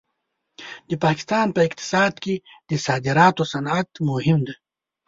د پاکستان په اقتصاد کې د صادراتو صنعت مهم دی.